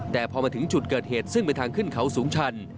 แต่พอมาถึงจุดเกิดเหตุซึ่งเป็นทางขึ้นเขาสูงชัน